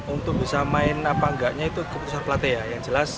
untuk bisa main apa enggaknya itu keputusan pelatih ya yang jelas